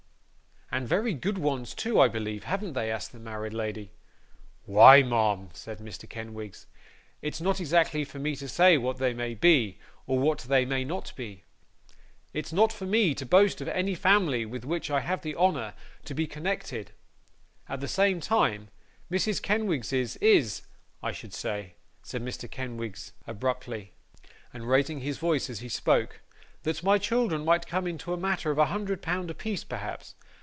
'And very good ones too, I believe, haven't they?' asked the married lady. 'Why, ma'am,' said Mr. Kenwigs, 'it's not exactly for me to say what they may be, or what they may not be. It's not for me to boast of any family with which I have the honour to be connected; at the same time, Mrs Kenwigs's is I should say,' said Mr. Kenwigs, abruptly, and raising his voice as he spoke, 'that my children might come into a matter of a hundred pound apiece, perhaps.